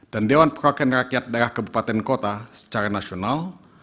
dan dewan perwakilan rakyat daerah kebupaten kota secara nasional